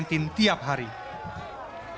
kami membagi titik kampanye covid sembilan belas tiap hari